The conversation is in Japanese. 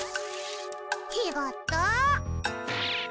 ちがった。